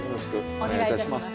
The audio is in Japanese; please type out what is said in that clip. お願いいたします。